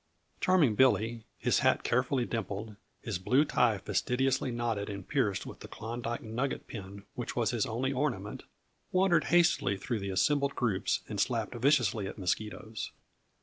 Charming Billy, his hat carefully dimpled, his blue tie fastidiously knotted and pierced with the Klondyke nugget pin which was his only ornament, wandered hastily through the assembled groups and slapped viciously at mosquitoes.